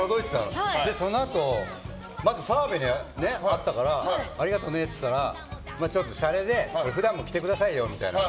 そのあとまず澤部に会ったからありがとねって言ったらしゃれで、普段も着てくださいみたいな。